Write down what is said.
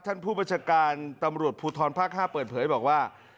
ท่านผู้บัญชาการตำรวจภูทรภาค๕เปิดเผยบอกว่า